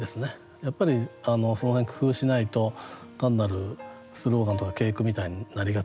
やっぱりその辺工夫しないと単なるスローガンとか警句みたいになりがちなんでね